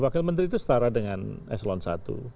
wakil menteri itu setara dengan eselon i